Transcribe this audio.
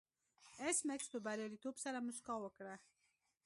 ایس میکس په بریالیتوب سره موسکا وکړه